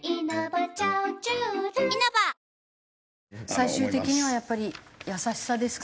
最終的にはやっぱり優しさですか？